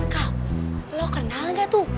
kak lo kenal gak tuh